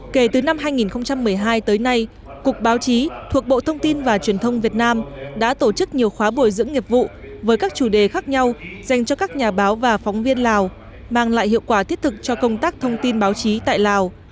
kể từ năm hai nghìn một mươi hai tới nay cục báo chí thuộc bộ thông tin và truyền thông việt nam đã tổ chức nhiều khóa bồi dưỡng nghiệp vụ với các chủ đề khác nhau dành cho các nhà báo và phóng viên lào mang lại hiệu quả thiết thực cho công tác thông tin báo chí tại lào